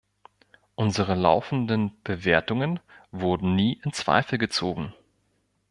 Unsere laufenden Bewertungen wurden nie in Zweifel gezogen.